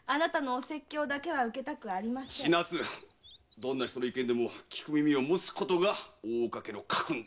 どんな人の意見でも聞く耳を持つことが大岡家の家訓だ！